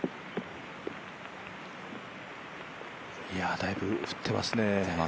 だいぶ、降ってますね。